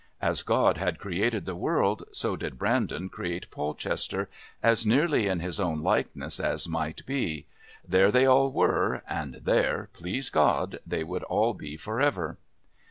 As God had created the world, so did Brandon create Polchester as nearly in his own likeness as might be there they all were and there, please God, they would all be for ever!